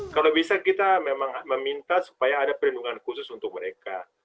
kalau bisa kita memang meminta supaya ada perlindungan khusus untuk mereka